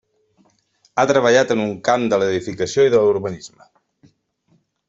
Ha treballat en el camp de l'edificació i de l'urbanisme.